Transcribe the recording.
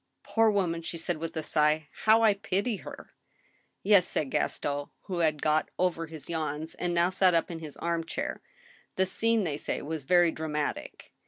" Poor woman," she said, witli a sigh, " how I pity her !"" Yes," said Gaston, who had got over his yawns, and now sat up in his arm chair, " the scene they say was very dramatic.